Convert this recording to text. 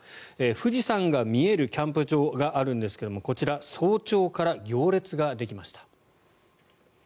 富士山が見えるキャンプ場があるんですけどもこちら、早朝から行列ができました。